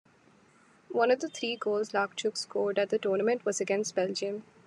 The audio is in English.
One of the three goals Iachtchouk scored at the tournament was against Belgium.